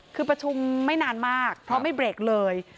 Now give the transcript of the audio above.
คือประชุมไม่นานมากเพราะไม่เบรกเลย